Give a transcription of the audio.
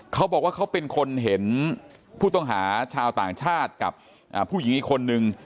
เขาบอกว่าเขาเป็นคนเห็นผู้ต้องหาชาวต่างชาติกับผู้หญิงอีกคนนึง